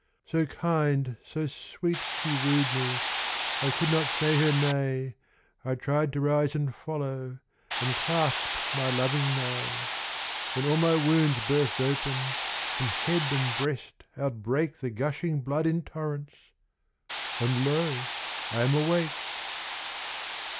So kind, so sweet she wooed me, I could not say her nay; I tried to rise and follow, And clasp my loving may. Then all my wounds burst open, From head and breast outbreak The gushing blood in torrents And lo, I am awake!